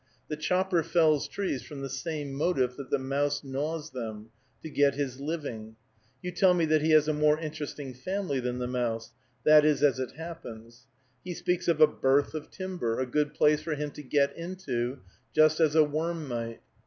The chopper fells trees from the same motive that the mouse gnaws them, to get his living. You tell me that he has a more interesting family than the mouse. That is as it happens. He speaks of a "berth" of timber, a good place for him to get into, just as a worm might.